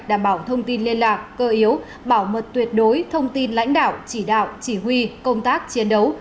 đảm bảo thông tin liên lạc cơ yếu bảo mật tuyệt đối thông tin lãnh đạo chỉ đạo chỉ huy công tác chiến đấu